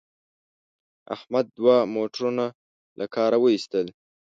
احمد دوه موټرونه له کاره و ایستل.